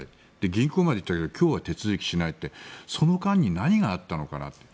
銀行まで行ったけど今日は手続きしないってその間に何があったのかなって。